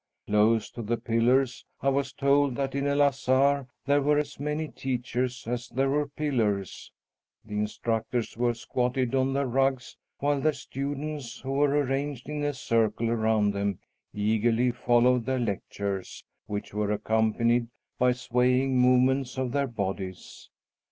Close to the pillars I was told that in El Azhar there were as many teachers as there were pillars the instructors were squatted on their rugs, while their students, who were arranged in a circle around them, eagerly followed their lectures, which were accompanied by swaying movements of their bodies.